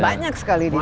dan banyak sekali disini